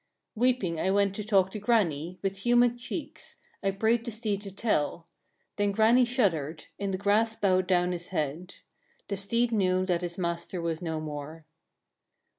5. Weeping I went to talk to Grani, with humid cheeks, I prayed the steed to tell: then Grani shuddered, in the grass bowed down his head. The steed knew that his master was no more.